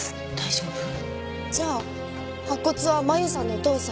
じゃあ白骨は麻由さんのお父さん？